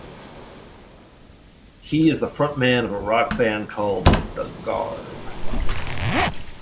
He is the frontman of a rock band called The Garb.